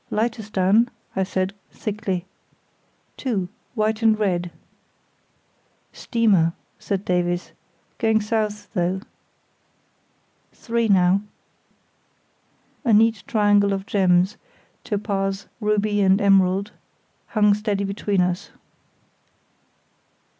"Light astern," I said, thickly. "Two—white and red." "Steamer," said Davies; "going south though." "Three now." A neat triangle of gems—topaz, ruby, and emerald—hung steady behind us.